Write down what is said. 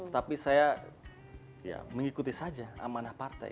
tapi saya mengikuti saja amanah partai